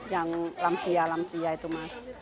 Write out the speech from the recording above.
yang lansia lansia itu mas